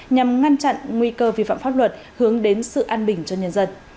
nhằm ngăn chặn nguy cơ vi phạm pháp luật hướng đến sự an bình cho nhân dân